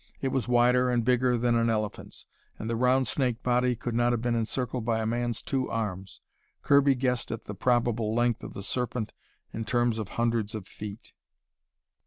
It was wider and bigger than an elephant's, and the round snake body could not have been encircled by a man's two arms. Kirby guessed at the probable length of the Serpent in terms of hundreds of feet.